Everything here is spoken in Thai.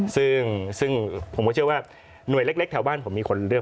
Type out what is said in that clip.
ซึ่งผมก็เชื่อว่าหน่วยเล็กแถวบ้านผมมีคนเลือก